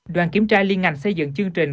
đoàn kiểm tra liên ngành xây dựng chương trình